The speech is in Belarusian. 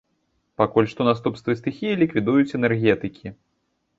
Пакуль што наступствы стыхіі ліквідуюць энергетыкі.